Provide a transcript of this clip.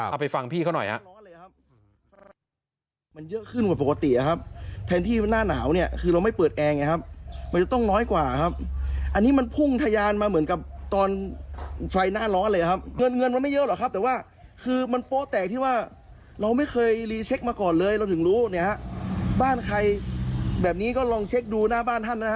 เอาไปฟังพี่เขาหน่อยครับ